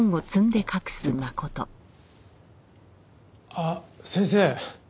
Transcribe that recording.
あっ先生。